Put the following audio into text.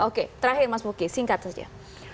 oke terakhir mas muki singkat saja